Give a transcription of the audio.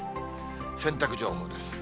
洗濯情報です。